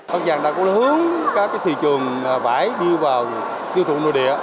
bắc giang đã cố hướng các thị trường vải đi vào tiêu thụ nội địa